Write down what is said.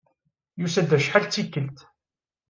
Yusa-d acḥal d tikkelt.